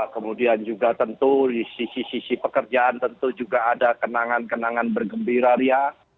kemudian juga tentu di sisi sisi pekerjaan tentu juga ada kenangan kenangan bergembira ria